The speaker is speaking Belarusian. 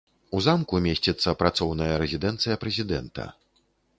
У замку месціцца працоўная рэзідэнцыя прэзідэнта.